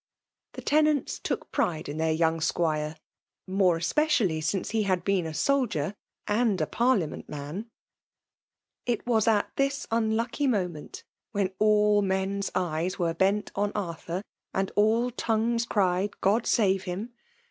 The tenant^ took pride in their young squire, more especially since he had been a soldier and a parliament man. It was at this unlucky moment, when all men's eyes were bent on Arthur, and all tongues cried *' God save him !"